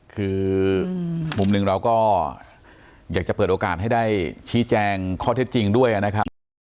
คือมุมหนึ่งเราก็อยากจะเปิดโอกาสให้ได้ชี้แจงข้อเท็จจริงด้วยนะครับ